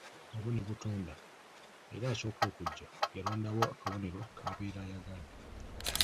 Obubonero tetubutunda era asooka okujja y'alondawo akabonero k'abeera ayagala.